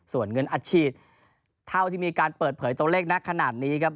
ส่วนเงินอัดฉีดเท่าที่มีการเปิดเผยตัวเลขนักขนาดนี้ครับ